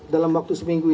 dalam waktu seminggu ini